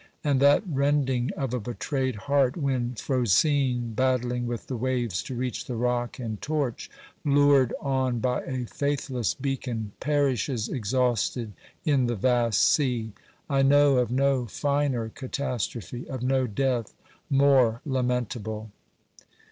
And that rending of a betrayed heart when Phrosine, battling with the waves to reach the rock and torch, lured on by a faithless beacon, perishes exhausted in the vast sea ! I know of no finer catastrophe, of no death more lamentable.